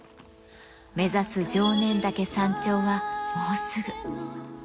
目指す常念岳山頂はもうすぐ。